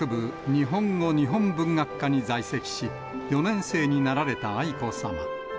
日本語日本文学科に在籍し、４年生になられた愛子さま。